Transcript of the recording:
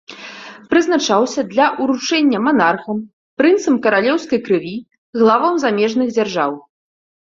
Прызначаўся для ўручэння манархам, прынцам каралеўскай крыві, главам замежных дзяржаў.